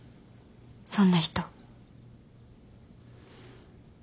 そんな人。